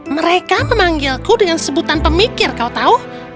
mereka memanggilku dengan sebutan pemikir kau tahu